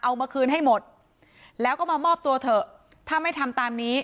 เอามาคืนให้หมดแล้วก็มามอบตัวเถอะถ้าไม่ทำตามนี้